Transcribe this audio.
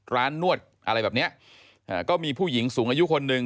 ร้านนวดอะไรแบบนี้ก็มีผู้หญิงสูงอายุคนหนึ่ง